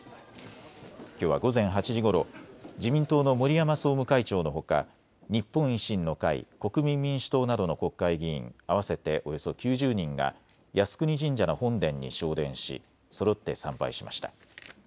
きょうは午前８時ごろ自民党の森山総務会長のほか日本維新の会、国民民主党などの国会議員合わせておよそ９０人が靖国神社の本殿に昇殿しそろって参拝しました。